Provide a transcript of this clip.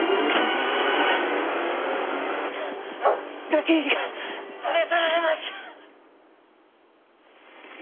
武入が連れ去られました！